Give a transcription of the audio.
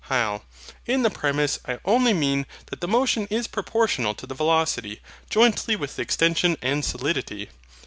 HYL. In the premise I only mean that the motion is proportional to the velocity, jointly with the extension and solidity.